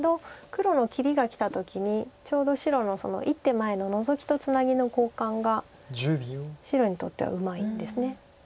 黒の切りがきた時にちょうど白の１手前のノゾキとツナギの交換が白にとってはうまいんです。